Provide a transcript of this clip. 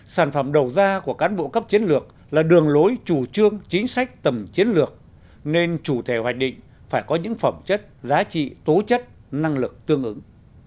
sản phẩm đầu ra của cán bộ cấp chiến lược là đường lối chủ trương chính sách tầm chiến lược nên chủ thể hoạch định phải có những phẩm chất giá trị tố chất năng lực tương ứng